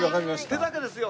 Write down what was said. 手だけですよ。